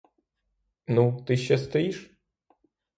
Ну, ти ще стоїш?